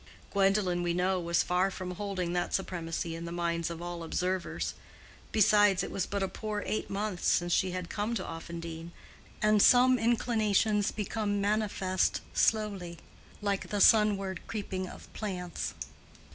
Gwendolen, we know, was far from holding that supremacy in the minds of all observers. Besides, it was but a poor eight months since she had come to Offendene, and some inclinations become manifest slowly, like the sunward creeping of plants.